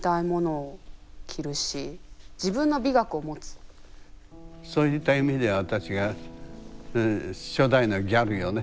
うんそういった意味では私が初代のギャルよね。